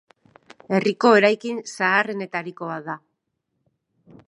Herriko eraikin zaharrenetariko bat da.